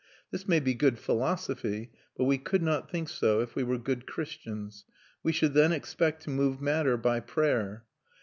This may be good philosophy, but we could not think so if we were good Christians. We should then expect to move matter by prayer.